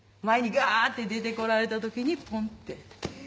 前にガって出てこられた時にポンって。